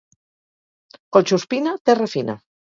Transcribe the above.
Collsuspina, terra fina.